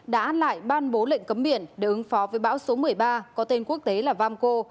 đã lại ban bố lệnh cấm biển để ứng phó với bão số một mươi ba có tên quốc tế là vamco